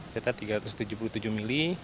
setelah tiga ratus tujuh puluh tujuh mm